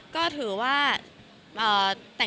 ก็บอกว่าเซอร์ไพรส์ไปค่ะ